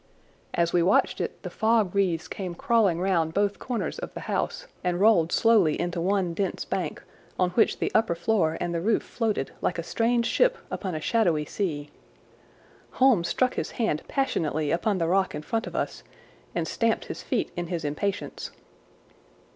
As we watched it the fog wreaths came crawling round both corners of the house and rolled slowly into one dense bank on which the upper floor and the roof floated like a strange ship upon a shadowy sea. Holmes struck his hand passionately upon the rock in front of us and stamped his feet in his impatience.